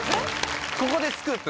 ここでスクープ。